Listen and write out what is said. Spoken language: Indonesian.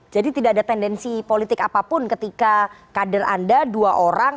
jadi tidak ada tendensi politik apapun ketika kader anda dua orang